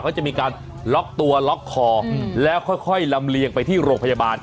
เขาจะมีการล็อกตัวล็อกคอแล้วค่อยลำเลียงไปที่โรงพยาบาล